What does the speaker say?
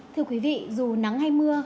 thưa quý vị dù nắng hay mưa